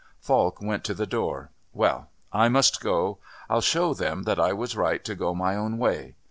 Falk went to the door: "Well, I must go. I'll show them that I was right to go my own way.